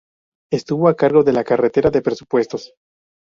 Estuvo a cargo de la cartera de presupuestos.